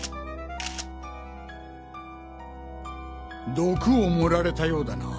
毒を盛られたようだな。